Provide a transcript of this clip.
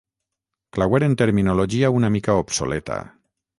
Clauer en terminologia una mica obsoleta.